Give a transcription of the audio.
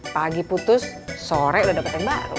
pagi putus sore udah dapat yang baru